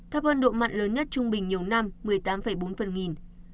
thấp hơn độ mặn lớn nhất trung bình nhiều năm một mươi tám bốn phần nghìn